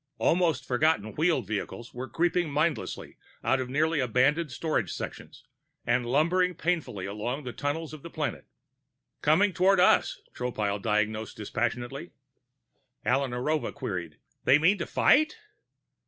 Almost forgotten wheeled vehicles were creeping mindlessly out of nearly abandoned storage sections and lumbering painfully along the tunnels of the planet. "Coming toward us," Tropile diagnosed dispassionately. Alla Narova queried: "They mean to fight?"